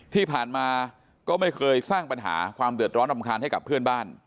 ที่ผ่านมาก็ไม่เคยสร้างปัญหาความเดือดร้อนรำคาญให้กับเพื่อนบ้าน